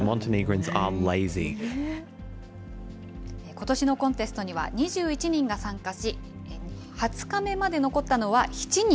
ことしのコンテストには２１人が参加し、２０日目まで残ったのは７人。